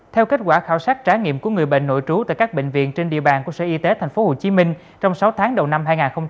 theo kết quả khảo sát trải nghiệm của người bệnh nội trú tại các bệnh viện trên địa bàn của sở y tế tp hcm trong sáu tháng đầu năm hai nghìn hai mươi